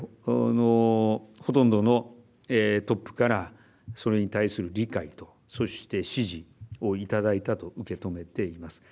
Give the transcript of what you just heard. ほとんどのトップからそれに対する理解とそして支持をいただいたと受け止めています。